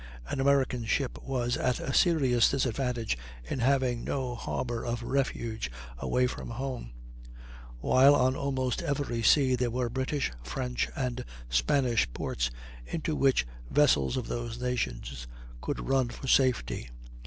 An American ship was at a serious disadvantage in having no harbor of refuge away from home; while on almost every sea there were British, French, and Spanish ports into which vessels of those nations could run for safety.